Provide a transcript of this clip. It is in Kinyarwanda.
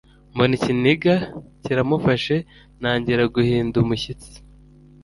mbona ikiniga kiramufasha ntangira guhinda umushyitsi